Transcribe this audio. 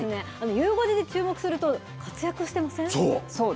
ゆう５時で注目すると活躍してまそう。